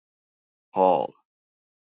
Hall.